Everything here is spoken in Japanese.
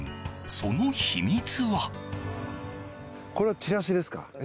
その秘密は。